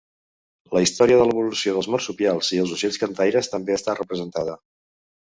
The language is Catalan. La història de l"evolució dels marsupials i els ocells cantaires també està representada.